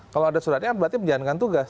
kalau ada suratnya berarti menjalankan tugas